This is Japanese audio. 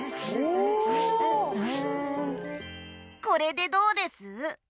これでどうです？